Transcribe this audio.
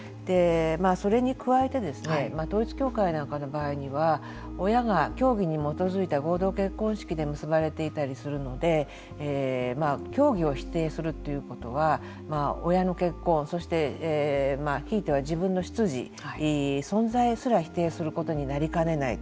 それに加えて統一教会なんかの場合には親が教義に基づいた合同結婚式で結ばれていたりするので教義を否定するということは親の結婚そして、ひいては自分の出自存在すら否定することになりかねない。